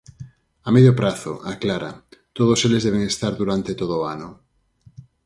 "A medio prazo", aclara, todos eles deben estar "durante todo o ano".